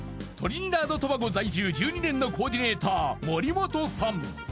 トリニダード・トバゴ在住１２年のコーディネーター森本さん